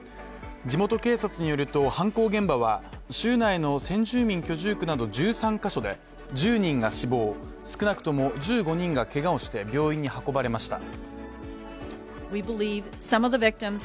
地元警察によると犯行現場は、州内の先住民居住区など１３カ所で１０人が死亡、少なくとも１５人がけがをして病院に運ばれました。